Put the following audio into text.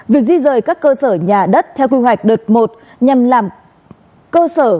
việc di rời các cơ sở nhà đất theo quy hoạch đợt một nhằm làm cơ sở